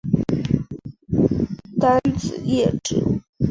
单子叶植物。